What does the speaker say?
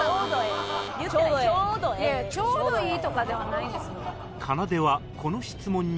いやいやちょうどいいとかではないんですよ。